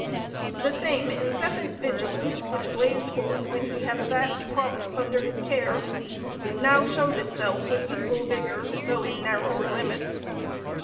The same incessant vigilance, which blazed forth when he had a vast province under his care, now showed itself with equal vigor, though in narrower limits.